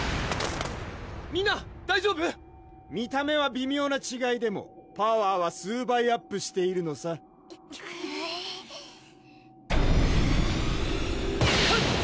みんな大丈夫⁉見た目は微妙なちがいでもパワーは数倍アップしているのさハッ！